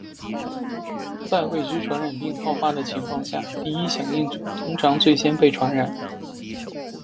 在未知传染病爆发的情况下，第一响应者通常最先被传染。